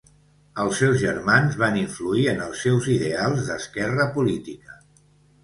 Els seus germans van influir en els seus ideals d'esquerra política.